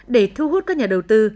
để thu hút các nhà đầu tư